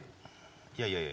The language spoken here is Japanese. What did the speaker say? いやいやいや。